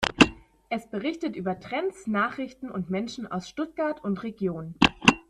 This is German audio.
Es berichtet über Trends, Nachrichten und Menschen aus Stuttgart und Region.